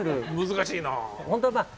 難しいなぁ。